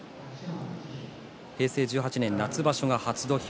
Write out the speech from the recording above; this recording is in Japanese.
平成１８年夏場所が初土俵